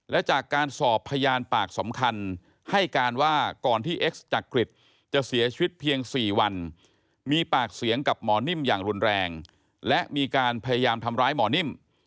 และจากการสอบพยานปากสำคัญให้การว่าก่อนที่เอ็กซ์จักริตจะเสียชีวิตเพียง๔วันมีปากเสียงกับหมอนิ่มอย่างรุนแรงและมีการพยายามทำร้ายหมอนิ่ม